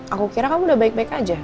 aku kira kamu udah baik baik aja